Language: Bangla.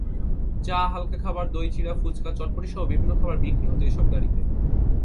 চা, হালকা খাবার, দই-চিড়া, ফুচকা, চটপটিসহ বিভিন্ন খাবার বিক্রি হতো এসব গাড়িতে।